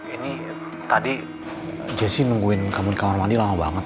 ini tadi jesse nungguin kamu di kamar mandi lama banget